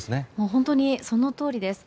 本当にそのとおりです。